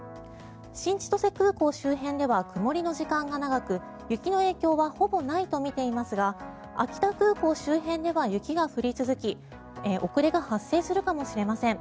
新千歳空港周辺では曇りの時間が長く雪の影響はほぼないと見ていますが秋田空港周辺では雪が降り続き遅れが発生するかもしれません。